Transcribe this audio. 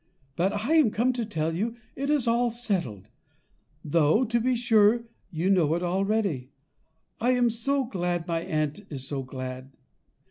But I am come to tell you it is all settled, though, to be sure, you know it already; I am so glad and my aunt is so glad.